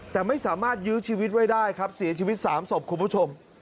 แต่ไม่สามารถยื้อชีวิตไว้ได้ครับเสียชีวิต๓ศพคุณผู้ชม